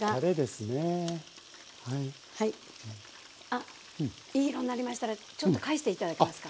あっいい色になりましたらちょっと返して頂けますか。